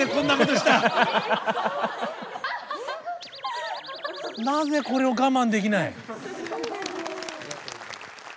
なぜこれを我慢できない。